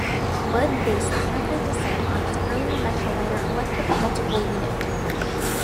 Budd based the Amfleet design on its earlier Metroliner electric multiple unit.